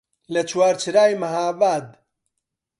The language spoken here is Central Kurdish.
لە چوارچرای مەهاباد